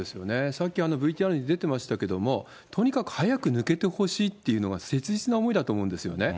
さっきＶＴＲに出てましたけど、とにかく早く抜けてほしいっていうのが切実な思いだと思うんですよね。